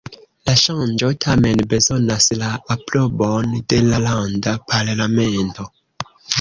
La ŝanĝo tamen bezonas la aprobon de la landa parlamento.